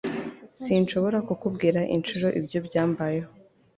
Sinshobora kukubwira inshuro ibyo byambayeho